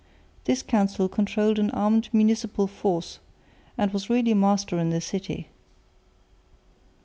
This Council controlled an armed municipal force and was really master in the city.